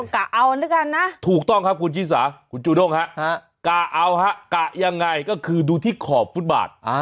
ครับคุณจีสาคุณจูด้งฮะกะเอาฮะกะยังไงก็คือดูที่ขอบฟุตบาตร